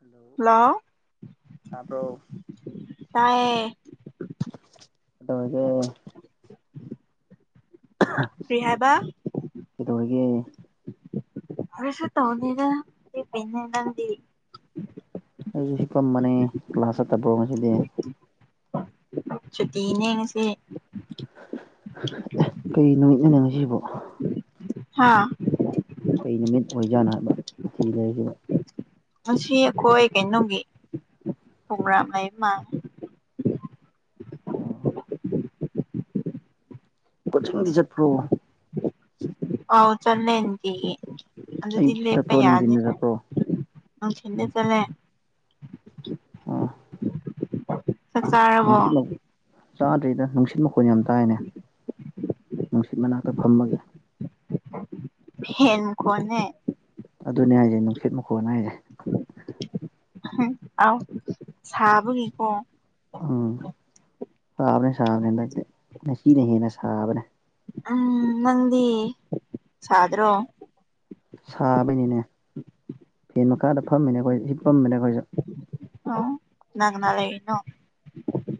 Hello ꯇꯥꯕ꯭ꯔꯣ ꯇꯥꯏꯌꯦ ꯀꯗꯧꯔꯒꯦ ꯀ꯭ꯔꯤ ꯍꯥꯏꯕ ꯀꯩꯗꯧꯔꯤꯒꯦ ꯀꯔꯤꯁꯨ ꯇꯧꯗꯦꯗ ꯍꯤꯞꯄꯤꯅꯦ ꯅꯪꯗꯤ ꯑꯩꯖꯨ ꯍꯤꯞꯄꯝꯕꯅꯦ ꯀ꯭ꯂꯥꯁ ꯆꯠꯇꯕ꯭ꯔꯣ ꯉꯁꯤꯗꯤ ꯁꯨꯇꯤꯅꯦ ꯉꯁꯤ ꯑꯦ ꯀꯩ ꯅꯨꯃꯤꯠꯅꯣꯅꯦ ꯉꯤꯁꯤꯕꯣ ꯍꯥꯥ ꯀꯩ ꯅꯨꯃꯤꯠ ꯑꯣꯏꯖꯥꯠꯅꯣ ꯍꯥꯏꯕ ꯁꯨꯇꯤ ꯂꯩꯖꯤꯕꯣ ꯉ ꯑꯈꯣꯏ ꯀꯩꯅꯣꯒꯤ ꯄꯣꯒ꯭ꯔꯥꯝ ꯂꯩꯕ ꯃꯥꯜꯂꯦ ꯑꯣ ꯀꯣꯖꯤꯡꯗꯤ ꯖꯠꯄ꯭ꯔꯣ ꯑꯥꯎ ꯆꯠꯂꯦ ꯅꯨꯡꯇꯤꯒꯤ ꯑꯗꯨꯗꯤ ꯑꯌꯨꯛꯇ ꯂꯦꯞꯄꯥ ꯆꯠꯄ꯭ꯔꯣ ꯌꯥꯗꯦ ꯅꯨꯡꯊꯤꯟꯗ ꯆꯠꯄ꯭ꯔꯣ ꯅꯨꯡꯊꯤꯟꯗ ꯆꯠꯂꯦ ꯑꯣ ꯆꯥꯛ ꯆꯥꯔꯕꯣ [unintelligible] ꯆꯥꯗ꯭ꯔꯤꯗ ꯅꯨꯡꯁꯤꯠ ꯃꯈꯣꯟ ꯌꯥꯝ ꯇꯥꯏꯅꯦ ꯅꯨꯡꯁꯤꯠ ꯃꯅꯥꯛꯇ ꯐꯝꯕꯒꯤ ꯐꯦꯟ ꯃꯈꯣꯟꯅꯦ ꯑꯗꯨꯅꯦ ꯍꯥꯏꯁꯦ ꯅꯨꯡꯁꯤꯠ ꯃꯈꯣꯟ ꯍꯥꯏꯁꯦ ꯑꯥꯎ ꯁꯥꯕꯒꯤꯀꯣ ꯎꯝ ꯁꯥꯕꯅꯦ ꯁꯥꯕꯅꯦ ꯍꯟꯗꯛꯇꯤ ꯉꯁꯤꯅ ꯍꯦꯟꯅ ꯁꯥꯕꯅꯦ ꯎꯝ ꯅꯪꯗꯤ ꯁꯥꯗ꯭ꯔꯣ ꯁꯥꯕꯩꯅꯤꯅꯦ ꯐꯦꯟ ꯃꯈꯥꯗ ꯐꯝꯃꯤꯅꯦ ꯑꯩꯈꯣꯏ ꯍꯤꯞꯄꯝꯃꯤꯅꯦ ꯑꯩꯈꯣꯏꯁꯨ ꯑꯣ ꯀꯅꯥ ꯀꯅꯥ ꯂꯩꯔꯤꯅꯣ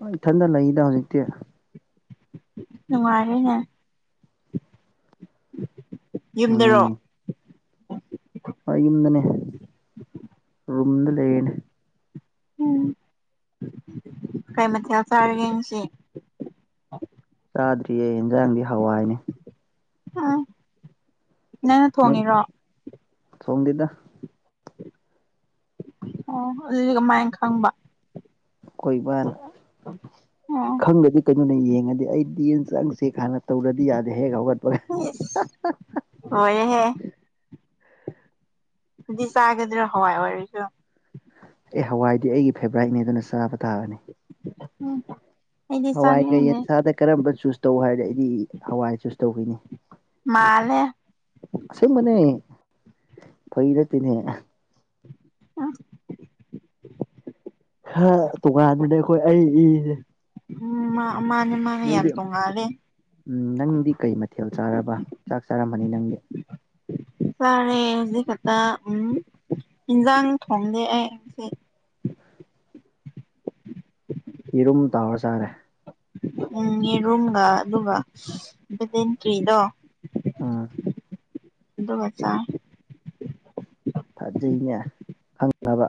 ꯍꯣꯏ ꯏꯊꯟꯗ ꯂꯩꯗ ꯍꯧꯖꯤꯛꯇꯤ ꯅꯨꯉꯥꯏꯔꯦꯅꯦ ꯌꯨꯝꯗꯔꯣ ꯑ ꯌꯨꯝꯗꯅꯦ ꯔꯨꯝꯗ ꯂꯩꯌꯦꯅꯦ ꯎꯝ ꯀꯩ ꯃꯊꯦꯜ ꯆꯥꯔꯒꯦ ꯉꯁꯤ ꯆꯥꯗ꯭ꯔꯤꯌꯦ ꯌꯦꯟꯖꯥꯡꯗꯤ ꯍꯋꯥꯏꯅꯦ ꯎꯝ ꯅꯪꯅ ꯅꯣꯏ ꯊꯣꯡꯉꯤꯔꯣ ꯊꯣꯡꯗꯦꯗ ꯑꯣ ꯑꯗꯨꯗꯤ ꯀꯃꯥꯏ ꯈꯪꯕ ꯑꯈꯣꯏ ꯕꯥꯅ ꯑꯣ [unintelligible] ꯈꯪꯗꯗꯤ ꯀꯩꯅꯣꯅꯦ ꯌꯦꯡꯉꯗꯤ ꯑꯩꯗꯤ ꯌꯦꯟꯖꯥꯡꯁꯦ ꯍꯥꯟꯅ ꯇꯧꯗ꯭ꯔꯗꯤ ꯌꯥꯗꯦ ꯍꯦꯛ ꯍꯧꯒꯠꯄꯒ ꯏꯁ ꯂꯣꯏꯔꯦꯍꯦ ꯑꯗꯨꯗꯤ ꯆꯥꯒꯗ꯭ꯔꯥ ꯍꯋꯥꯏ ꯑꯣꯏꯔꯁꯨ ꯑꯦ ꯍꯋꯥꯏꯗꯤ ꯑꯩꯒꯤ ꯐꯦꯕ꯭ꯔꯥꯏꯠꯅꯦ ꯑꯗꯨꯅ ꯆꯥꯕ ꯇꯥꯕꯅꯤ ꯎꯝ ꯑꯩꯗꯤ ꯍꯋꯥꯏꯒ ꯆꯥꯅꯤꯡꯗꯦ ꯌꯦꯟꯁꯥꯗ ꯀꯔꯝꯕ ꯆꯨꯁ ꯇꯧ ꯍꯥꯏꯔꯗꯤ ꯑꯩꯗꯤ ꯍꯋꯥꯏ ꯆꯨꯁ ꯇꯧꯒꯅꯤ ꯃꯥꯟꯂꯦ ꯑꯁꯦꯡꯕꯅꯦ ꯐꯒꯤ ꯅꯠꯇꯦꯅꯦ ꯈ ꯇꯣꯉꯥꯟꯕꯅꯦ ꯑꯩꯈꯣꯏ ꯑꯩ ꯏꯁꯦ ꯎꯝ ꯃꯥ ꯑꯃꯥꯅꯦ ꯃꯥꯅꯦ ꯌꯥꯝ ꯇꯣꯡꯉꯥꯜꯂꯦ ꯎꯝ ꯅꯪꯗꯤ ꯀꯩ ꯃꯊꯦꯜ ꯆꯥꯔꯕ ꯆꯥꯛ ꯆꯥꯔꯝꯃꯅꯤ ꯅꯪꯗꯤ ꯆꯥꯔꯦ ꯍꯧꯖꯤꯛ ꯈꯛꯇ ꯎꯝ ꯏꯟꯖꯥꯡ ꯊꯣꯡꯗꯦ ꯑꯩ ꯉꯁꯤ ꯌꯦꯔꯨꯝ ꯇꯥꯎꯔ ꯆꯥꯔꯦ ꯎꯝ ꯌꯦꯔꯨꯝꯒ ꯑꯗꯨꯒ ꯚꯦꯂꯦꯟꯇ꯭ꯔꯤꯗꯣ ꯎꯝ ꯑꯗꯨꯒ ꯆꯥꯏ ꯐꯥꯖꯩꯅꯦ ꯈꯪꯉꯕ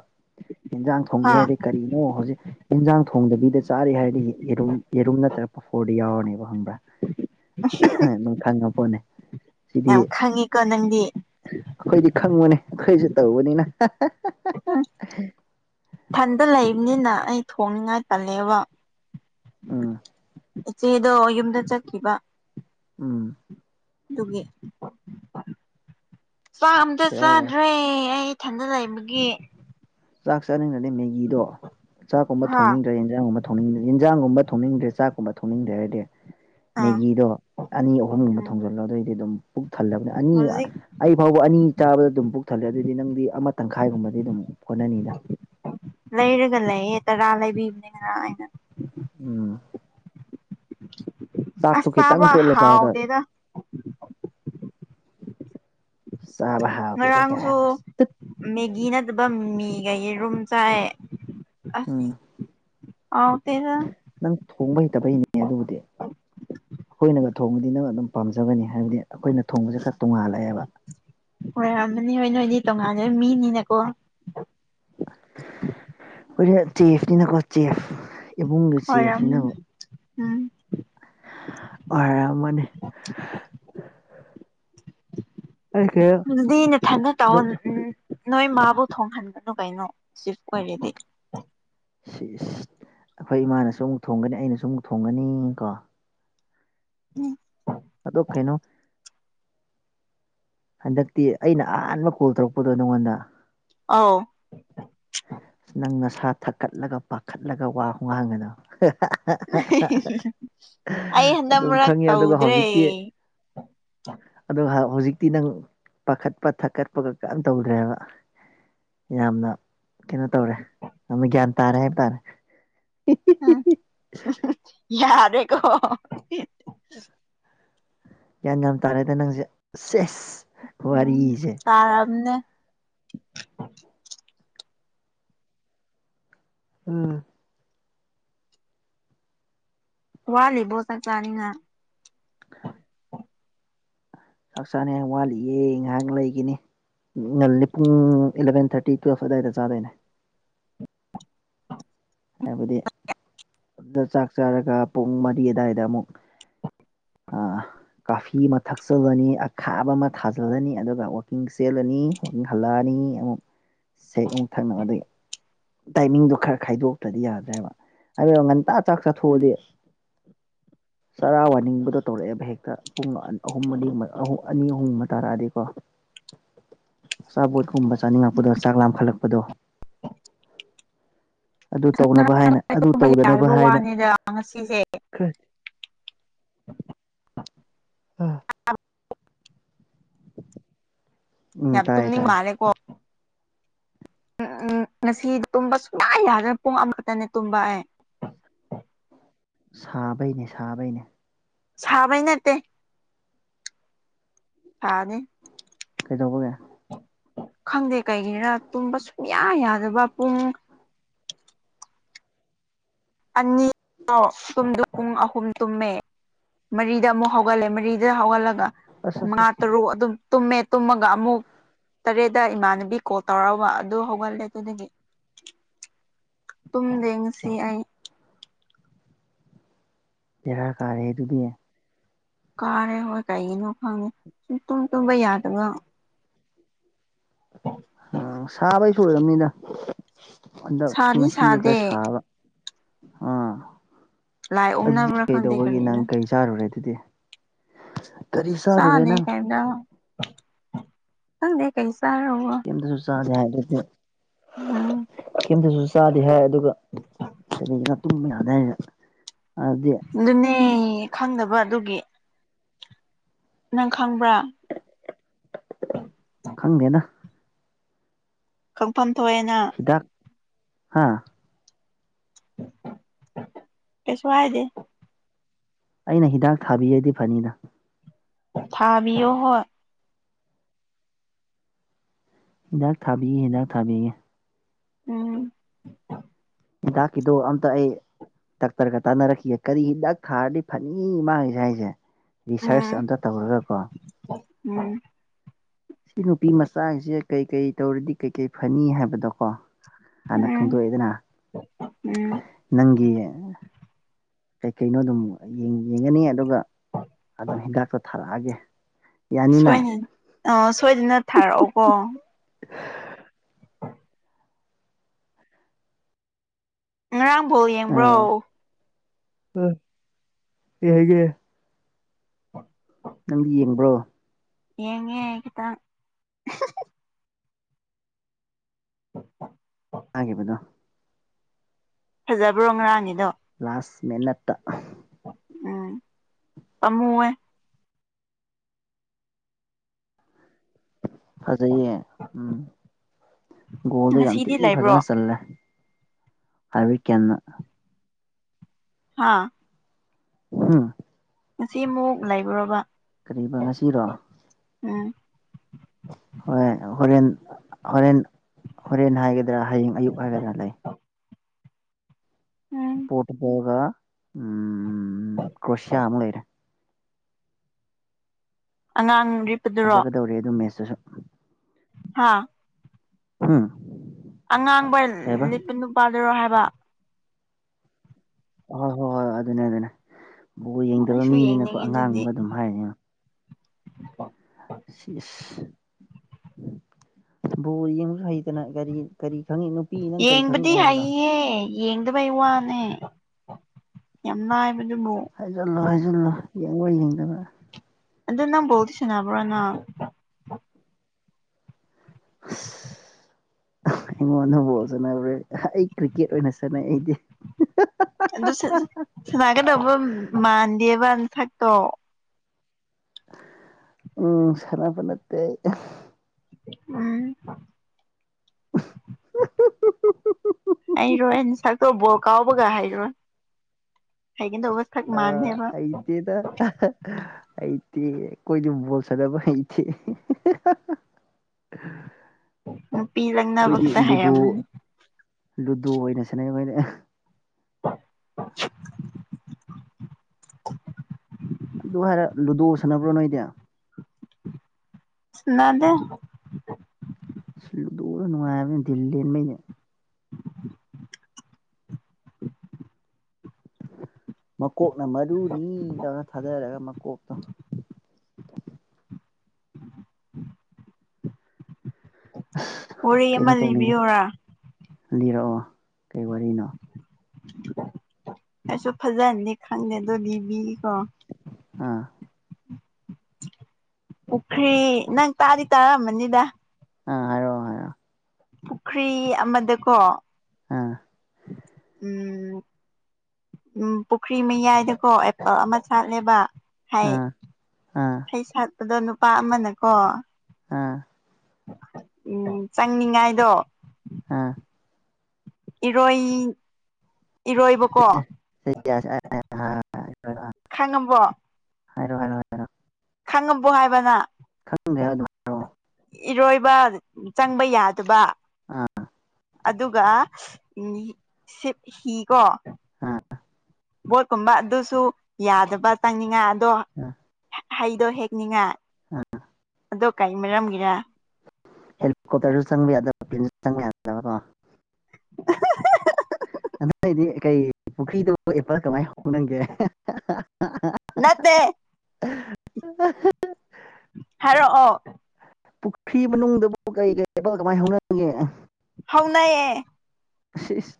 ꯏꯟꯖꯥꯡ ꯊꯣꯡꯗꯦ ꯍꯥ ꯍꯥꯏꯔꯗꯤ ꯀꯔꯤꯅꯣ ꯍꯧꯖꯤꯛ ꯏꯟꯖꯥꯡ ꯊꯣꯡꯗꯕꯤꯗ ꯆꯥꯔꯦ ꯍꯥꯏꯔꯗꯤ ꯌꯦꯔꯨꯝ ꯌꯦꯔꯨꯝ ꯅꯠꯇ꯭ꯔꯒ ꯄꯐꯣꯔꯗꯤ ꯌꯥꯎꯔꯅꯦꯕ ꯈꯪꯕ꯭ꯔꯥ [unintelligible] ꯑꯗꯨꯝ ꯈꯪꯉꯄꯣꯠꯅꯦ ꯁꯤꯗꯤ ꯌꯥꯝ ꯈꯪꯉꯤꯀꯣ ꯅꯪꯗꯤ ꯑꯩꯈꯣꯏꯗꯤ ꯈꯪꯕꯅꯦ ꯑꯩꯈꯣꯏꯖꯨ ꯇꯧꯕꯅꯤꯅ ꯏꯊꯟꯗ ꯂꯩꯕꯅꯤꯅ ꯑꯩ ꯊꯣꯡꯅꯤꯡꯉꯥꯏ ꯇꯜꯂꯦꯕ ꯎꯝ ꯏꯆꯦꯗꯣ ꯌꯨꯝꯗ ꯆꯠꯈꯤꯕ ꯎꯝ ꯑꯗꯨꯒꯤ ꯆꯥꯛ ꯑꯝꯇ ꯕꯦꯔꯥꯒ ꯆꯥꯗ꯭ꯔꯦ ꯑꯩ ꯏꯊꯟꯗ ꯂꯩꯕꯒꯤ ꯆꯥꯛ ꯆꯥꯅꯤꯡꯗ꯭ꯔꯗꯤ ꯃꯦꯒꯤꯗꯣ ꯆꯥꯛꯀꯨꯝꯕ ꯍꯥ ꯊꯣꯡꯅꯤꯡꯗ꯭ꯔ ꯏꯟꯖꯥꯡꯒꯨꯝꯕ ꯊꯣꯡꯅꯤꯡ ꯏꯟꯖꯥꯡꯒꯨꯝꯕ ꯊꯣꯡꯅꯤꯡꯗ꯭ꯔꯦ ꯆꯥꯛꯀꯨꯝꯕ ꯊꯣꯡꯅꯤꯡꯗ꯭ꯔꯦ ꯍꯥꯏꯗꯤ ꯑꯥ ꯃꯦꯒꯤꯗꯣ ꯑꯅꯤ ꯑꯍꯨꯝꯒꯨꯝꯕ ꯎꯝ ꯊꯣꯡꯖꯤꯜꯂꯣ ꯑꯗꯨꯏꯗꯤ ꯑꯗꯨꯝ ꯄꯨꯛ ꯊꯜꯂꯕꯅꯤ ꯑꯅꯤ ꯍꯧꯖꯤꯛ ꯑꯩ ꯐꯥꯎꯕ ꯑꯅꯤ ꯆꯥꯕꯗ ꯑꯗꯨꯝ ꯄꯨꯛ ꯊꯜꯂꯦ ꯑꯗꯨꯗꯤ ꯅꯪꯗꯤ ꯑꯃ ꯇꯪꯈꯥꯏꯒꯨꯝꯕꯗꯤ ꯑꯗꯨꯝ ꯀꯣꯟꯅꯅꯤꯗ ꯂꯩꯔꯒ ꯂꯩꯌꯦ ꯇꯔꯥ ꯂꯩꯕꯤꯕꯅꯦ ꯉꯔꯥꯡ ꯑꯩꯅ ꯎꯝ ꯑꯁ ꯆꯥꯛꯇꯣ ꯈꯤꯇꯪ ꯆꯥꯕ ꯇꯣꯠꯂ ꯆꯥꯕꯗ ꯍꯥꯎꯇꯦꯗ ꯆꯥꯕ ꯍꯥꯎꯇꯦꯗ ꯀꯥꯏꯅ ꯉꯔꯥꯡꯁꯨ ꯇꯠ ꯃꯦꯒꯤ ꯅꯠꯇꯕ ꯃꯤꯃꯤꯒ ꯌꯦꯔꯨꯝ ꯆꯥꯏꯌꯦ ꯑꯁ ꯎꯝ ꯍꯥꯎꯇꯦꯗ ꯅꯪ ꯊꯣꯡꯕ ꯍꯩꯇꯕꯩꯅꯦ ꯑꯗꯨꯕꯨꯗꯤ ꯑꯩꯈꯣꯏꯅꯒ ꯊꯣꯡꯕꯗꯤ ꯅꯪ ꯑꯗꯨꯝ ꯄꯥꯝꯖꯒꯅꯤ ꯍꯥꯏꯕꯗꯤ ꯑꯩꯈꯣꯏꯅ ꯊꯣꯡꯕꯖꯦ ꯈꯔ ꯇꯣꯡꯉꯥꯜꯂꯛꯑꯦꯕ ꯑꯣꯏꯔꯝꯃꯅꯤ ꯍꯣꯏ ꯅꯣꯏꯗꯤ ꯇꯣꯉꯥꯟꯗ ꯃꯤꯅꯤꯅꯀꯣ ꯑꯈꯣꯏꯗꯤ ꯆꯦꯐꯅꯤꯅ ꯀꯣ ꯆꯦꯐ ꯏꯃꯨꯡꯒꯤ ꯆꯦꯐꯅꯤꯅꯕꯨ ꯑꯣꯏꯔꯝꯃꯅꯤ ꯎꯝ ꯑꯣꯏꯔꯝꯃꯅꯤ ꯑꯩ ꯀꯩꯅꯣ ꯑꯗꯨꯗꯤ ꯅꯊꯟꯗ ꯇꯧ ꯅꯣꯛ ꯎꯝ ꯅꯣꯏ ꯃꯥꯕꯨ ꯊꯣꯡꯍꯟꯒꯅꯨ ꯀꯩꯅꯣ ꯆꯤꯐ ꯑꯣꯏꯔꯗꯤ ꯁꯤꯁ ꯑꯩꯈꯣꯏ ꯏꯃꯥꯅꯁꯨ ꯑꯃꯨꯛ ꯊꯣꯡꯒꯅꯤ ꯑꯩꯅꯁꯨ ꯑꯃꯨꯛ ꯊꯣꯡꯒꯅꯤ ꯀꯣ ꯎꯝ ꯑꯗꯣ ꯀꯩꯅꯣ ꯍꯟꯗꯛꯇꯤ ꯑꯩꯅ ꯑꯍꯥꯟꯕ ꯀꯣꯜ ꯇꯧꯔꯛꯄꯗꯣ ꯅꯪꯉꯣꯟꯗ ꯑꯧ ꯅꯪ ꯅꯁꯥ ꯊꯛꯀꯠꯂꯒ ꯄꯥꯈꯠꯂꯒ ꯋꯥ ꯈꯨꯉꯥꯡꯒꯅꯣ ꯑꯩ [unintelligible] [unintelligible] ꯍꯟꯗꯛ ꯑꯗꯨꯝ ꯃꯔꯛ ꯈꯪꯉꯦ ꯑꯗꯨꯒ ꯇꯧꯗ꯭ꯔꯦ ꯍꯧꯖꯤꯛꯇꯤ ꯑꯗꯨꯒ ꯍꯥ ꯍꯧꯖꯤꯛꯇꯤ ꯅꯪ ꯄꯥꯈꯠꯄ ꯊꯛꯀꯠꯄꯒ ꯀꯦꯝ ꯇꯧꯗ꯭ꯔꯦꯕ ꯌꯥꯝꯅ ꯀꯩꯅꯣ ꯇꯧꯔꯦ ꯌꯥꯝꯅ ꯒ꯭ꯌꯥꯟ ꯇꯥꯔꯦ ꯍꯥꯏ ꯇꯥꯔꯦ [unintelligible] ꯌꯥꯔꯦꯀꯣ ꯒ꯭ꯌꯥꯟ ꯌꯥꯝ ꯇꯥꯔꯦꯗ ꯅꯪ ꯍꯧꯖꯤꯛ ꯁꯦꯁ ꯋꯥꯔꯤꯁꯦ ꯇꯥꯔꯝꯅꯦ ꯎꯝ ꯋꯥꯠꯂꯤꯕꯣ ꯆꯥꯛ ꯆꯥꯅꯤꯉꯥꯏ [inaudible] ꯆꯥꯛ ꯆꯥꯅꯤꯉꯥꯏ ꯋꯥꯠꯂꯤꯌꯦ ꯉꯥꯏꯍꯥꯛ ꯂꯩꯒꯤꯅꯤ ꯉꯜꯂꯤ ꯄꯨꯡ ꯏꯂꯚꯦꯟ ꯊꯔꯇꯤ ꯇꯨꯋꯦꯜꯐ ꯑꯗꯥꯏꯗ ꯆꯥꯗꯣꯏꯅꯦ [inaudible] ꯍꯥꯏꯕꯗꯤ ꯑꯗꯨꯗ ꯆꯥꯛ ꯆꯥꯔꯒ ꯄꯨꯡ ꯃꯔꯤ ꯑꯗꯥꯏꯗ ꯑꯃꯨꯛ ꯑꯥ ꯀꯥꯐꯤ ꯑꯃ ꯊꯛꯆꯜꯂꯅꯤ ꯑꯈꯥꯕ ꯑꯃ ꯊꯥꯖꯤꯜꯂꯅꯤ ꯑꯗꯨꯒ ꯋꯥꯛꯀꯤꯡ ꯆꯦꯜꯂꯅꯤ ꯋꯥꯀꯤꯡ ꯍꯜꯂꯛꯑꯅꯤ ꯑꯃꯨꯛ ꯁꯦꯛ ꯑꯃꯨꯛ ꯊꯛꯅꯕ ꯑꯗꯩ ꯇꯥꯏꯃꯤꯡꯗꯣ ꯈꯔ ꯈꯥꯏꯗꯣꯛꯇꯗꯤ ꯌꯥꯗ꯭ꯔꯦꯕ ꯍꯥꯏꯕꯩ ꯋꯥꯅꯤ ꯉꯟꯇꯥ ꯆꯥꯛ ꯆꯥꯊꯣꯛꯑꯗꯤ ꯆꯔꯥ ꯋꯥꯅꯤꯡꯕꯗꯣ ꯇꯧꯔꯛꯑꯦꯕ ꯍꯦꯛꯇ ꯄꯨꯡ ꯑꯍꯨꯝ ꯑꯅꯤ ꯑꯅꯤ ꯑꯍꯨꯝꯕ ꯇꯥꯔꯛꯑꯗꯤꯀꯣ ꯑꯆꯥꯄꯣꯠꯀꯨꯝꯕ ꯆꯥꯅꯤꯡꯉꯛꯄꯗꯣ ꯆꯥꯛ ꯂꯥꯈꯠꯂꯛꯄꯗꯣ [inaudible] ꯑꯗꯨ ꯇꯧꯅꯕ ꯍꯥꯏꯅ ꯑꯗꯨ ꯇꯧꯗꯅꯕ ꯍꯥꯏꯅ [unintelligible] [unintelligible] ꯎꯝ ꯌꯥꯝ ꯇꯥꯏꯌꯦ ꯇꯨꯝꯅꯤꯡ ꯇꯥꯏꯌꯦ ꯃꯥꯜꯂꯦ ꯀꯣ ꯎꯝ ꯎꯝ ꯉꯁꯤ ꯇꯨꯝꯕ ꯁꯨꯡꯃꯥꯏ ꯌꯥꯗꯦ ꯄꯨꯡ ꯑꯃꯈꯛꯇꯅꯦ ꯇꯨꯝꯕ ꯑꯩ ꯁꯥꯕꯩꯅꯦ ꯁꯥꯕꯩꯅꯦ ꯁꯕꯩ ꯅꯠꯇꯦ ꯁꯥꯅꯤ ꯀꯩꯗꯧꯕꯒꯤ? ꯈꯪꯗꯦ ꯀꯩꯒꯤꯔ ꯇꯨꯝꯕ ꯁꯨꯡꯌꯥ ꯌꯥꯗꯕ ꯄꯨꯡ ꯑꯅꯤ ꯇꯨꯝꯗ ꯄꯨꯡ ꯑꯍꯨꯝ ꯇꯨꯝꯃꯦ ꯃꯔꯤꯗ ꯑꯃꯨꯛ ꯍꯧꯒꯠꯂꯦ ꯃꯔꯤꯗ ꯍꯧꯒꯠꯂꯒ ꯑꯁ ꯃꯉꯥ ꯑꯁ ꯑꯁ ꯇꯔꯨꯛ ꯑꯗꯨꯝ ꯇꯨꯝꯃꯦ ꯇꯨꯝꯃꯒ ꯑꯃꯨꯛ ꯇꯔꯦꯠꯇ ꯏꯃꯥꯟꯅꯕꯤ ꯀꯣꯜ ꯇꯧꯔꯛꯑꯕ ꯑꯗꯨ ꯍꯧꯒꯠꯂꯦ ꯑꯗꯨꯗꯒꯤ꯫ ꯇꯨꯝꯗꯦ ꯉꯁꯤ ꯑꯩ ꯕꯦꯔꯥ ꯀꯥꯔꯦꯍꯦ ꯑꯗꯨꯗꯤ ꯀꯥꯔꯦ ꯍꯣꯏ ꯀꯩꯒꯤꯅꯣ ꯈꯪꯉꯦ ꯁꯨꯝ ꯇꯨꯝ ꯇꯨꯝꯕ ꯌꯥꯗꯕ [unintelligible] ꯎꯝ ꯁꯥꯕꯩꯁꯨ ꯑꯣꯏꯔꯕꯝꯅꯤꯗ ꯍꯟꯗꯛ ꯁꯥꯗꯤ ꯉꯁꯤꯁꯦ ꯈꯔ ꯁꯥꯗꯦ ꯁꯥꯕ ꯑꯥ ꯂꯥꯏ ꯑꯗꯨꯗꯤ ꯑꯣꯛꯅꯕ꯭ꯔꯥ ꯈꯪꯗꯦ ꯀꯩꯗꯧꯕꯒꯤ ꯅꯪ ꯀꯔꯤꯅ ꯀꯩ ꯆꯥꯔꯨꯔꯦ ꯑꯗꯨꯗꯤ ꯀꯔꯤ ꯆꯥꯔꯨꯔꯦ ꯅꯪ? [unintelligible] ꯈꯪꯗꯦ ꯀꯩ ꯆꯥꯔꯕ ꯑꯗꯨꯁꯨ ꯆꯥꯔꯦ ꯍꯥꯏ ꯑꯗꯨꯗꯤ [unintelligible] ꯀꯩꯝꯇꯁꯨ ꯆꯥꯗꯦ ꯍꯥꯏ ꯑꯗꯨꯒ ꯀꯔꯤꯁꯤꯅ ꯇꯨꯝꯕ ꯌꯥꯗꯅ ꯑꯗꯥꯗꯤ ꯑꯗꯨꯅꯦ ꯈꯪꯗꯕ ꯑꯗꯨꯒꯤ ꯅꯪ ꯈꯪꯕ꯭ꯔꯥ? ꯈꯪꯗꯦꯅ ꯈꯪꯐꯝ ꯊꯣꯑꯦꯅꯥ ꯗꯥꯛ ꯍꯥꯥ ꯀꯩꯁꯨ ꯍꯥꯏꯗꯦ ꯑꯩꯅ ꯍꯤꯗꯥꯛ ꯊꯥꯕꯤꯔꯗꯤ ꯐꯅꯤꯗ꯫ ꯊꯥꯕꯤꯌꯣ ꯍꯣꯏ ꯍꯤꯗꯥꯛ ꯊꯥꯕꯤꯒꯦ ꯍꯤꯗꯥꯛ ꯊꯥꯕꯤꯒꯦ꯫ ꯎꯝ ꯍꯤꯗꯥꯛꯀꯤꯗꯣ ꯑꯝꯇ ꯑꯩ ꯗꯥꯛꯇꯔꯒ ꯇꯥꯟꯅꯔꯛꯈꯤꯒꯦ ꯀꯔꯤ ꯍꯤꯗꯥꯛ ꯊꯥꯔꯗꯤ ꯐꯅꯤ ꯃꯥꯒꯤꯁꯦ ꯍꯥꯏꯁꯦ ꯔꯤꯁꯔꯁ ꯎꯝ ꯑꯝꯇ ꯇꯧꯔꯒꯀꯣ ꯎꯝ ꯁꯤ ꯅꯨꯄꯤ ꯃꯆꯥꯁꯦ ꯀꯩꯀꯩ ꯇꯧꯔꯗꯤ ꯀꯩꯀꯩ ꯐꯅꯤ ꯍꯥꯏꯕꯗꯣꯀꯣ ꯍꯥꯟꯅ ꯎꯝ ꯈꯪꯗꯣꯛꯑꯦꯗꯅ ꯎꯝ ꯅꯪꯒꯤ ꯀꯩꯀꯩꯅꯣ ꯑꯗꯨꯝ ꯌꯦꯡꯒꯅꯤ ꯑꯗꯨꯒ ꯑꯗꯨ ꯍꯤꯗꯥꯛꯇꯣ ꯊꯥꯔꯛꯑ ꯒꯦ ꯁꯣꯏꯅ ꯑ ꯁꯣꯏꯗꯅ ꯊꯥꯔꯛꯑꯣꯀꯣ [unintelligible] ꯉꯔꯥꯡ ꯕꯣꯜ ꯌꯦꯡꯕ꯭ꯔꯣ? ꯑ ꯌꯦꯡꯉꯦ꯫ ꯅꯪꯗꯤ ꯌꯦꯡꯕ꯭ꯔꯣ? ꯌꯦꯉꯦ ꯈꯤꯇꯪ [unintelligible] ꯍꯥꯏꯒꯤꯕꯗꯣ ꯐꯖꯕ꯭ꯔꯣ ꯉꯔꯥꯡꯒꯤꯗꯣ ꯂꯥꯁ ꯃꯤꯅꯠꯇ ꯎꯝ ꯄꯃꯨꯋꯦ ꯐꯖꯩꯌꯦ ꯎꯝ ꯒꯣꯗꯣꯜꯗꯣ ꯌꯥꯝ ꯉꯁꯤꯗꯤ ꯊꯤ ꯂꯩꯕ꯭ꯔꯣ ꯐꯖꯅ ꯆꯜꯂꯦ ꯍꯥꯏꯕ꯭ꯔꯤ ꯀꯦꯟꯅ ꯍꯥꯥ ꯍꯨꯝ ꯉꯁꯤ ꯑꯃꯨꯛ ꯂꯩꯕ꯭ꯔꯥꯕ ꯀꯔꯤꯕ ꯉꯁꯤꯔꯣ ꯎꯝ ꯍꯣꯏ ꯍꯣꯔꯦꯟ ꯍꯣꯔꯦꯟ ꯍꯣꯔꯦꯟ ꯍꯥꯏꯒꯗ꯭ꯔꯥ ꯍꯌꯦꯡ ꯑꯌꯨꯛ ꯍꯥꯏꯒꯗ꯭ꯔꯥ ꯂꯩ ꯎꯝ ꯄꯣꯔꯇꯣꯒꯣꯜꯒ ꯎꯝ ꯀ꯭ꯔꯁꯌꯥ ꯑꯃꯨꯛ ꯂꯩꯔꯦ ꯑꯉꯥꯡꯔꯤꯞ ꯐꯖꯒꯗꯧꯔꯤ ꯑꯗꯨ ꯃꯦꯠꯁꯇꯨꯖꯨ ꯍꯥꯥ ꯍꯨꯝ ꯑꯉꯥꯡꯕ ꯂꯤꯠꯄ ꯅꯨꯄꯥꯗꯨꯔꯣ ꯍꯥꯏꯕ ꯍꯣꯏ ꯍꯣꯏ ꯍꯣꯏ ꯑꯗꯨꯅꯦ ꯑꯗꯨꯅꯦ ꯕꯣꯜ ꯑꯣ ꯌꯦꯡꯗꯕ ꯑꯩꯁꯨ ꯃꯤꯅꯤꯅꯀꯣ ꯌꯦꯡꯅꯤꯡꯉꯦ ꯑꯗꯨꯗꯤ ꯑꯉꯥꯡꯕ ꯑꯗꯨꯝ ꯍꯥꯏꯔꯤꯅꯤꯉꯣ [unintelligible] ꯁꯤꯁ ꯕꯣꯜ ꯌꯦꯡꯕꯖꯨ ꯍꯩꯇꯅ ꯀꯔꯤ ꯀꯔꯤ ꯈꯪꯉꯤꯅꯣ ꯌꯦꯡꯕꯗꯤ ꯍꯩꯌꯦ ꯌꯦꯡꯗꯕꯩ ꯋꯥꯅꯦ ꯌꯥꯝ ꯂꯥꯏꯕꯗꯨꯕꯨ ꯍꯥꯏꯖꯤꯜꯂꯣ ꯍꯥꯏꯖꯤꯜꯂꯣ ꯌꯦꯡꯕ ꯌꯦꯡꯗꯕ ꯑꯗꯣ ꯅꯪ ꯕꯣꯏꯗꯤ ꯁꯥꯟꯅꯕ꯭ꯔꯣꯅ [unintelligible] ꯑꯩꯉꯣꯟꯗ ꯕꯣꯜ ꯁꯟꯅꯕ꯭ꯔꯥ ꯑꯩ ꯀ꯭ꯔꯤꯛꯀꯦꯠ ꯑꯣꯏꯅ ꯁꯥꯟꯅꯩ ꯑꯩꯗꯤ ꯍꯥ ꯍꯥ ꯍꯥ ꯑꯗꯨ ꯁ ꯁꯅꯥꯒꯗꯕ ꯃꯥꯟꯗꯦꯕ ꯅꯁꯥꯛꯇꯣ ꯎꯝ ꯁꯅꯥꯕ ꯅꯠꯇꯦꯗ ꯎꯝ [unintelligible] ꯍꯩꯔꯣꯏ ꯅꯁꯛꯇꯣ ꯕꯣꯜ ꯀꯥꯎꯕꯒ ꯍꯩꯔꯣꯏ ꯍꯩꯒꯗꯧꯕ ꯁꯛ ꯑꯥ ꯃꯥꯟꯗꯦꯕ ꯍꯩꯇꯦꯗ ꯑꯍ ꯍꯩꯇꯦ ꯈꯣꯏꯗꯤ ꯕꯣꯜ ꯁꯥꯅꯕ ꯍꯩꯇꯦ ꯍꯥ ꯍꯥ ꯍꯥ ꯅꯨꯄꯤ ꯂꯛꯅꯕ ꯈꯣꯏꯗꯤ ꯈꯛꯇ ꯂꯨꯗꯣ ꯍꯩꯔꯝꯃꯅꯤ ꯂꯨꯗꯣ ꯑꯣꯏꯅ ꯁꯤꯅꯩ ꯈꯣꯏꯗꯤ [unintelligible] ꯑꯗꯨ ꯍꯥꯏꯔ ꯂꯨꯗꯣ ꯁꯥꯟꯅꯕ꯭ꯔꯣ ꯅꯣꯏꯗꯤ ꯁꯥꯟꯅꯗꯦ ꯂꯨꯗꯣ ꯗꯣ ꯅꯨꯡꯉꯥꯏꯕꯅꯦ ꯗꯤꯜꯂꯦꯟꯕꯩꯗꯤ ꯃꯀꯣꯛꯅ ꯃꯔꯨꯅꯤ ꯇꯧꯔ ꯊꯥꯗꯔꯒ ꯃꯀꯣꯛꯇꯣ ꯑꯁ ꯋꯥꯔꯤ ꯀꯩꯅꯣ ꯑꯃ ꯇꯧꯅꯤꯡꯉꯦ ꯂꯤꯕꯤꯌꯨꯔꯥ ꯂꯤꯔꯛꯑꯣ ꯀꯩ ꯋꯥꯔꯤꯅꯣ ꯑꯩꯁꯨ ꯐꯖꯟꯗꯤ ꯈꯪꯗꯦ ꯑꯗꯣ ꯕꯤꯕꯤꯒꯤꯀꯣ ꯑꯥ ꯄꯨꯈ꯭ꯔꯤ ꯅꯪ ꯇꯥꯗꯤ ꯇꯥꯔꯝꯃꯅꯤꯗ ꯑ ꯄꯨꯈ꯭ꯔꯤ ꯑꯃꯗꯀꯣ ꯑ ꯎꯝ ꯎꯝ ꯄꯨꯈ꯭ꯔꯤ ꯃꯌꯥꯏꯗꯀꯣ ꯑꯦꯄꯜ ꯑꯃ ꯁꯥꯠꯂꯦꯕ ꯍꯩ ꯑꯥ ꯑꯥ ꯍꯦ ꯁꯥꯠꯄꯗꯣ ꯅꯨꯄꯥ ꯑꯃꯅꯀꯣ ꯑꯥ ꯎꯝ ꯆꯪꯅꯤꯡꯉꯥꯏꯗꯣ ꯑꯥ ꯏꯔꯣꯏ ꯏꯔꯣꯏꯕꯀꯣ [unintelligible] ꯈꯪꯉꯝꯕꯣ ꯍꯥꯢꯔꯣ ꯍꯥꯏꯔꯣ ꯍꯥꯏ ꯈꯪꯉꯕꯣ ꯍꯥꯏꯕ ꯅꯪ ꯈꯪꯗꯦ ꯌꯥ ꯑꯗꯨ ꯏꯔꯣꯏꯕ ꯆꯪꯕ ꯌꯥꯗꯕ ꯑꯥ ꯑꯗꯨꯒ ꯎ ꯁꯤꯞ ꯍꯤ ꯀꯣ ꯑꯥ ꯕꯣꯠꯀꯨꯝꯕ ꯑꯗꯨꯁꯨ ꯌꯥꯗꯕ ꯆꯪꯅꯤꯡꯉꯥꯏ ꯑꯗꯣ ꯑ ꯍꯗꯣ ꯍꯦꯛꯅꯤꯉ ꯑ ꯑꯗꯨ ꯀꯩ ꯃꯔꯝꯒꯤꯔ ꯍꯦꯜꯀꯣꯇꯔꯗ ꯆꯪꯕ ꯌꯥꯗ [unintelligible] [unintelligible] ꯑꯗꯩꯗꯤ ꯀꯩ ꯄꯨꯈꯔꯤꯗ ꯄ ꯀꯃꯥꯏ ꯍꯧꯅꯒꯦ ꯅꯠꯇꯦ ꯍꯥꯏꯔꯣꯛꯑꯣ ꯄꯨꯈ꯭ꯔꯤ ꯃꯅꯨꯡꯗꯕꯨ ꯀꯔꯤ ꯀꯔꯤ ꯀꯃꯥꯏꯅ ꯍꯧꯅꯒꯦ ꯍꯧꯅꯩꯌꯦ [unintelligible]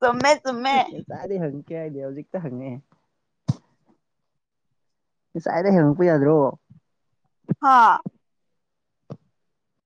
ꯆꯨꯝꯃꯦ ꯆꯨꯝꯃꯦ ꯆꯥꯗꯤ ꯍꯪ ꯀꯦ ꯍꯥꯏꯗꯤ ꯍꯧꯖꯤꯛꯇ ꯍꯪꯉꯛꯑꯦ ꯉꯁꯥꯏꯗ ꯍꯪꯉꯛꯄ ꯌꯥꯗ꯭ꯔꯣ ꯍꯥꯥ